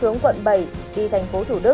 hướng quận bảy đi thành phố thủ đức